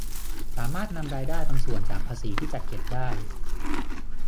สามารถนำรายได้บางส่วนจากภาษีที่จัดเก็บได้